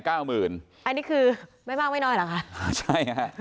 เก้าหมื่นอันนี้คือง่ายมายง่ายน้อยหรอค่ะ